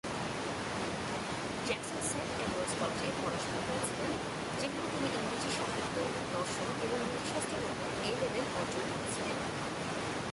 Jackson Saint Edwards কলেজে পড়াশোনা করেছিলেন, যেখানে তিনি ইংরেজি সাহিত্য, দর্শন এবং নীতিশাস্ত্রের উপর এ-লেভেল অর্জন করেছিলেন।